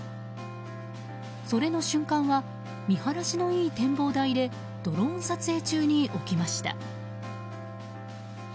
それの瞬間は見晴らしのいい展望台でドローン撮影中に起きました。